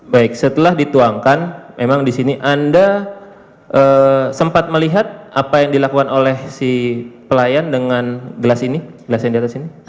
baik setelah dituangkan memang di sini anda sempat melihat apa yang dilakukan oleh si pelayan dengan gelas ini